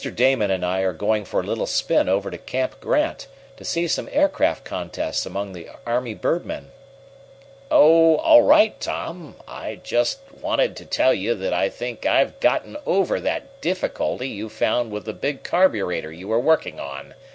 Damon and I are going for a little spin over to Camp Grant, to see some aircraft contests among the army birdmen." "Oh, all right, Tom. I just wanted to tell you that I think I've gotten over that difficulty you found with the big carburetor you were working on.